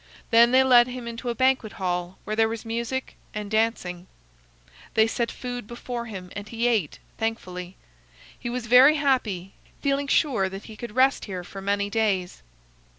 Then they led him into a banquet hall where there was music and dancing. They set food before him, and he ate, thankfully. He was very happy, feeling sure that he could rest here for many days.